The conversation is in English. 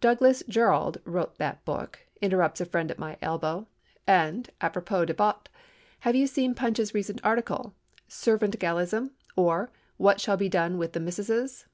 "Douglas Jerrold wrote that book," interrupts a friend at my elbow. "And, apropos de bottes, have you seen Punch's recent article, 'Servantgalism; or, What Shall Be Done With the Missusses?